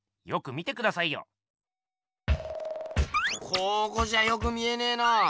ここじゃよく見えねえな。